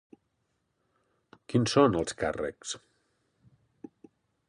Quins són els càrrecs?